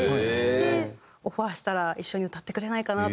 でオファーしたら一緒に歌ってくれないかなと思って。